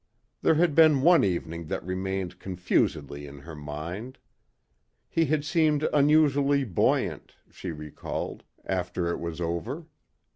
There had been one evening that remained confusedly in her mind. He had seemed unusually buoyant, she recalled, after it was over.